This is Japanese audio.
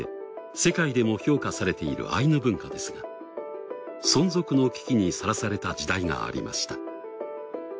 世界でも評価されているアイヌ文化ですが存続の危機にさらされた時代がありました。